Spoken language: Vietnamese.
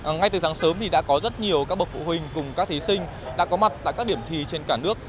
ngay từ sáng sớm thì đã có rất nhiều các bậc phụ huynh cùng các thí sinh đã có mặt tại các điểm thi trên cả nước